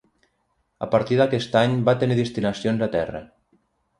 A partir d'aquest any va tenir destinacions a terra.